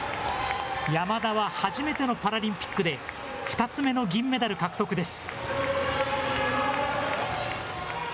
山田は初めてのパラリンピックで、２つ目の銀メダル獲得です。